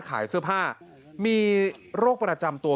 ขายเสื้อผ้ามีโรคประจำตัว